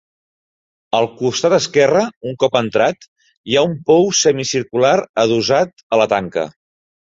Al costat esquerre, un cop entrat, hi ha un pou semicircular adossat a la tanca.